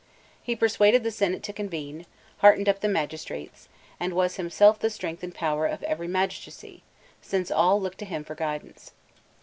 He persuaded the senate to convene, heartened up the magistrates, and was himself the strength and power of every magistracy, since all looked to him for guidance.